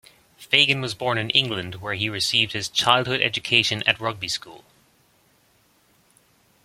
Fagan was born in England where he received his childhood education at Rugby School.